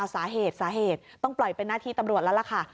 สาเหตุสาเหตุต้องปล่อยเป็นหน้าที่ตำรวจแล้วล่ะค่ะ